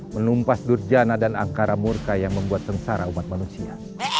menumpas durjana dan angkara murka yang membuat sengsara umat manusia